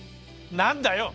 何だよ！